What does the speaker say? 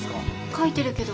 書いてるけど。